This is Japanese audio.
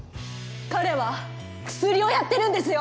彼はクスリをやってるんですよ！